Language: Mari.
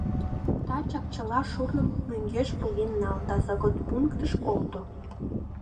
Тачак чыла шурным мӧҥгеш поген нал да заготпунктыш колто!»